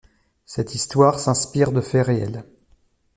Cette histoire s'inspire de faits réels.